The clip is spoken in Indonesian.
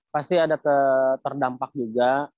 pasti ada terdampak juga